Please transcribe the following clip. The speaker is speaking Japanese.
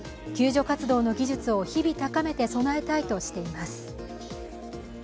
救助活動の技術を日々高めて備えたいとしています。